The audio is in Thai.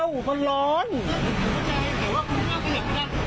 แล้วมันมีมาหรือยังผมมาจอดแป๊บเดียว